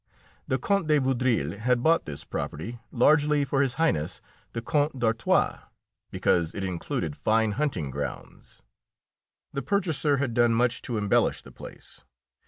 The Count de Vaudreuil had bought this property largely for His Highness the Count d'Artois, because it included fine hunting grounds. The purchaser had done much to embellish the place.